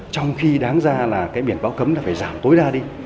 trong khi đáng ra là cái biển báo cấm là phải giảm tối đa đi